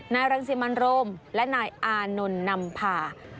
รังสิมันโรมและนายอานนท์นำพา